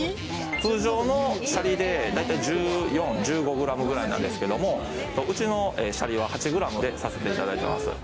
通常のシャリで大体１４１５ｇぐらいなんですけどもうちのシャリは８ｇでさせていただいてます